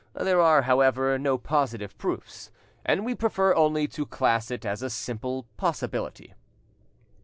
There are, however, no positive proofs, and we prefer only to class it as a simple possibility.